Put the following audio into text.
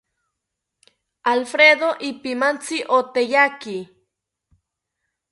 Alfredo ipimantzi oteyaki